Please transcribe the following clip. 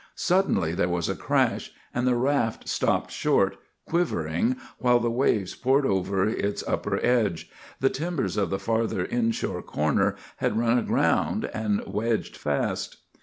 Suddenly there was a crash, and the raft stopped short, quivering, while the waves poured over its upper edge. The timbers of the farther inshore corner had run aground and wedged fast.